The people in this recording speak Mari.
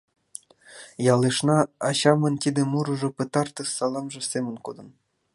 Ялешна ачамын тиде мурыжо пытартыш саламже семын кодын.